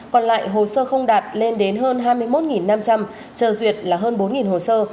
còn lại hồ sơ không đạt lên đến hơn hai mươi một năm trăm linh chờ duyệt là hơn bốn hồ sơ